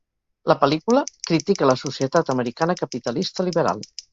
La pel·lícula crítica la societat americana capitalista liberal.